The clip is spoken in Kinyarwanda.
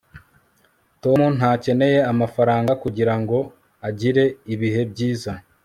tom ntakeneye amafaranga kugirango agire ibihe byiza